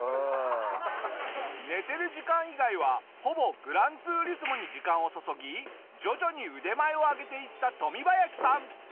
寝てる時間以外はほぼ『グランツーリスモ』に時間を注ぎ徐々に腕前を上げていったトミバヤシさん。